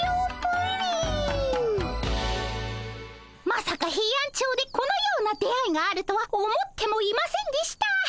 まさかヘイアンチョウでこのような出会いがあるとは思ってもいませんでした。